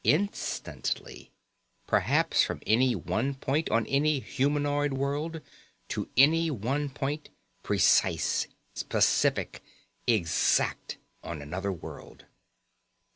Instantly. Perhaps from any one point on any humanoid world to any one point, precise, specific, exact, on another world.